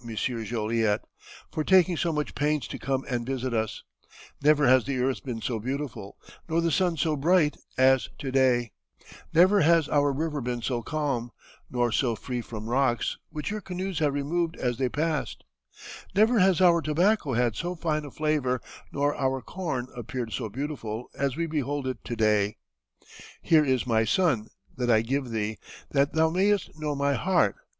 Joliet, "for taking so much pains to come and visit us; never has the earth been so beautiful, nor the sun so bright, as to day; never has our river been so calm, nor so free from rocks, which your canoes have removed as they passed; never has our tobacco had so fine a flavor, nor our corn appeared so beautiful as we behold it to day. Here is my son, that I give thee, that thou mayst know my heart.